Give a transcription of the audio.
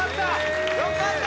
よかった！